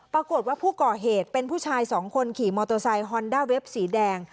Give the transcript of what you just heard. ปรากฏว่าผู้ก่อเหตุเป็นผู้ชายสองคนขี่มอเตอร์ไซคอนด้าเว็บสีแดง